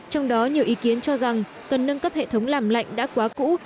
trong đó nhiều ý kiến cho rằng cần nâng cấp hệ thống làm lạnh đã quá cũ